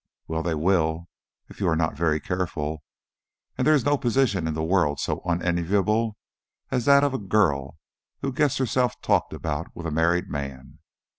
"Well, they will, if you are not very careful. And there is no position in the world so unenviable as that of a girl who gets herself talked about with a married man.